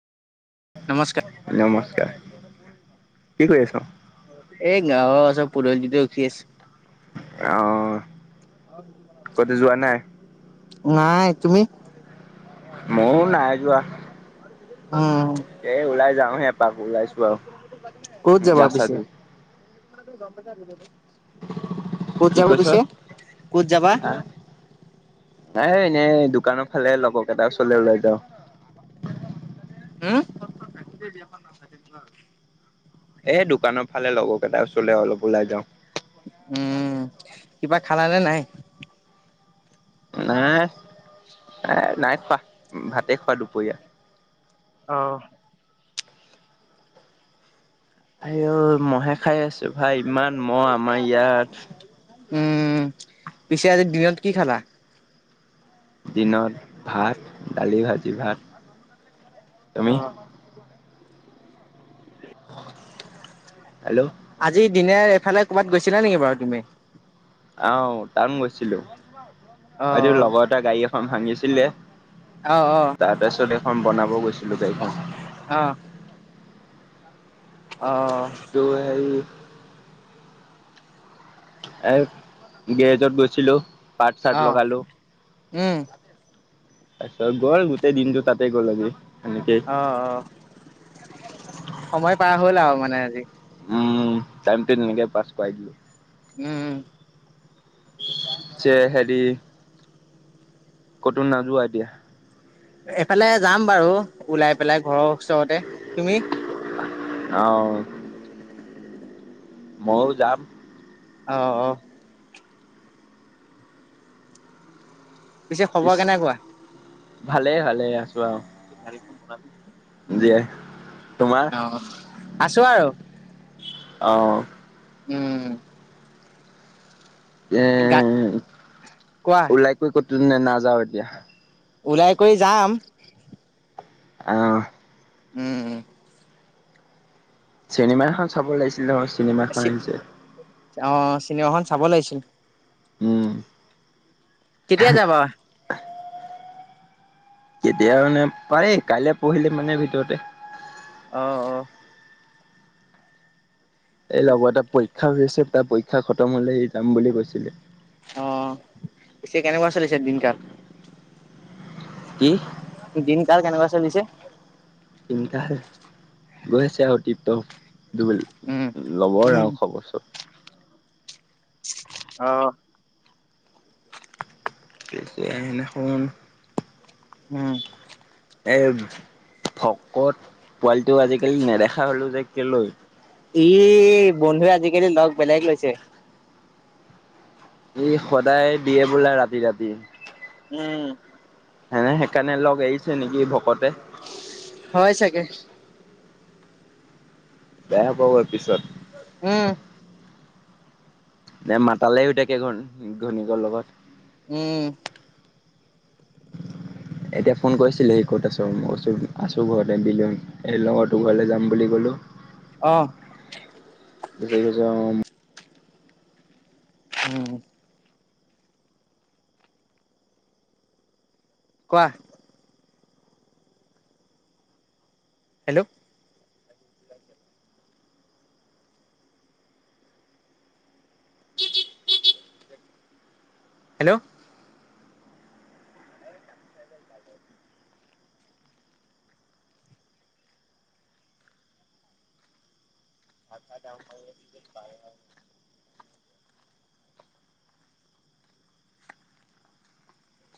নমস্কাৰ, নমস্কাৰ কি কৰি আছ এই গাঁৱৰ ওচৰ পদলিতে ৰখি আছো অঁ নাই তুমি মোইও নাই যোৱা উম, এ ওলাই যাওহে এপাক ওলাইছো আৰু। কত যাবা গা চা পিছে ধুই। ক'ত কি যাবা কৈছ? পিছে ক'ত যাবা নাই এনেই দোকানৰ ফালে লগৰকেইটাৰ ওচৰলৈ ওলাই যাওঁ উম, এ দোকানৰ ফালে লগৰ কেইটাৰ ওচৰলৈ অলপ ওলাই যাওঁ উম কিবা খালানে নাই নাই নাই খোৱা ভাতে খোৱা দুপৰীয়া অহ, আই অ' মহে খাই আছো ভাই ইমান মহ আমাৰ ইয়াত। উম পিছে আজি দিনত কি খালা দিনত ভাত দালি ভাজি ভাত তুমি? অ', হেল্ল' আজি দিনে এফালে ক'ৰবাত গৈছিলা নেকি বাৰু তুমি আহ তান গৈছিলো বাইদেউ অ', লগৰ এটা গাড়ী এখন ভাঙিছিলে অ', অ', তাৰ পাছত এখন বনাব গৈছো অ অ ত হ এ গেৰেজত গৈছিলো পাট অ চাট লগালো। উম তাৰিছত গ'ল গোটেই দিনটো তাতে গ'ল আগি অ অ সময় পাৰ হ'ল আৰু মানে আজি উম টাইমটো তেনেকে পাছ কৰাই দিলো উম যে হেৰি। কতো নাযোৱা এতিয়া। এফালে যাম বাৰু ওলাই পেলাই ঘৰৰ ওচৰতে তুমি আহ। ময়ো যাম আহ অ। পিছে পিছ খবৰ কেনেকুৱা? ভালে ভালে আছো আৰু। গ কৰা দি তোমাৰ আছো আৰু আহ উম এ গা কোৱা ওলাই কৈ ক'তো নাযাও এতিয়া ওলাই কৰি যাম। আহ। উম উম চিনেমা এখন চাব লাগিছিল নহয় চিনেমা এখন আহিছে। অ চিনেমাখন চাব লাগিছিল। উম। কেতিয়া যাবা? কেতিয়া মানে পাৰ কাইলৈ পঢ়িলে মানে ভিতৰতে আহ আহ। এই লগৰ এটা পৰীক্ষা হৈ আছে, তাৰ পৰীক্ষা খতম হলে যাম বুলি কৈছিলে। অ পিছে কেনেকুৱা চলিছে দিন কাল। কি, দিন কাল কেনেকুৱা চলিছে। তিন্তাহে গৈছে আৰু টপটপ। দুব উম ল'ব আৰু খবৰচোন আহ। পিছে সেইনাখন উম এ ভকত পোৱালিটো আজিকালি নেদেখা হলো যে কেলৈৈ ই বন্ধুৱে আজিকালি লগ বেলেগ লৈছে ই সদায় বিয়ে বোলা ৰাতি ৰাতি উম হনে সেইকাৰণে লগ আহিছে নেকি ভকতে হয় চাগে। বেয়া পাব পিছত উহ। তেওঁ মাতালে হৈ থাকে, ঘৈইনিয়কৰ লগত। উম, [inaudible] এতিয়া ফোন কৰিছিলেহি ক'ত আছোঁ মই কৈছ আছোঁ ঘৰতে বিলন এই লগৰটো ঘৰলৈ যাম বুলি ক'লোঁ। আহ। বিশষ কৈছ অ উম। কোৱা। Hello hello. আ ক প প [unintelligible]